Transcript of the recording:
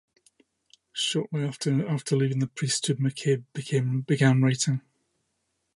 Shortly after leaving the priesthood, McCabe began writing.